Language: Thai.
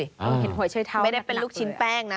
เห็นหวยช่วยทานไม่ได้เป็นลูกชิ้นแป้งนะ